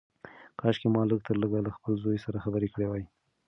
کاشکي ما لږ تر لږه له خپل زوی سره خبرې کړې وای.